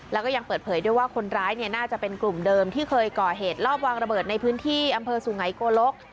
แล้วก็ยังเปิดเผยด้วยว่าคนร้ายเนี่ยน่าจะเป็นกลุ่มเดิมที่เคยก่อเหตุรอบวางระเบิดในพื้นที่อำเภอสุไงโกลก